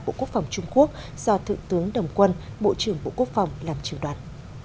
bộ quốc phòng trung quốc do thượng tướng đồng quân bộ trưởng bộ quốc phòng làm trưởng đoàn